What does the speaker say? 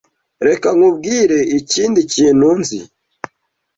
Reka nkubwire ikindi kintu nzi.